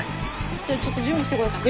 じゃあちょっと準備してこようかな。